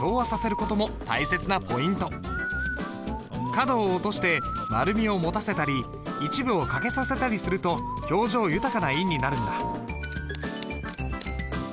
角を落として丸みを持たせたり一部を欠けさせたりすると表情豊かな印になるんだ。